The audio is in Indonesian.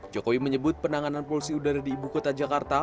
jokowi menyebut penanganan polusi udara di ibu kota jakarta